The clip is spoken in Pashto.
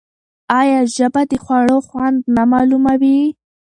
آیا ژبه د خوړو خوند نه معلوموي؟